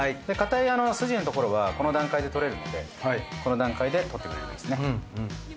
で固い筋のところはこの段階で取れるのでこの段階で取ってくれればいいですね。